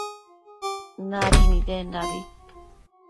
Nadi nidendabi